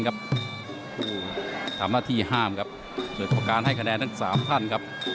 ทำหน้าที่ห้ามครับโดยประการให้คะแนนทั้ง๓ท่านครับ